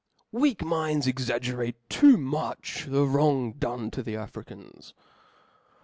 353 Weak minds exaggerate too much the wrong Book done to the Africans.